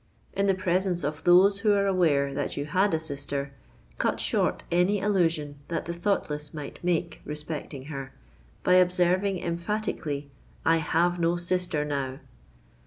In the presence of those who are aware that you had a sister, cut short any allusion that the thoughtless might make respecting her, by observing emphatically—'_I have no sister now!